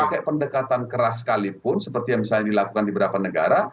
pakai pendekatan keras sekalipun seperti yang misalnya dilakukan di beberapa negara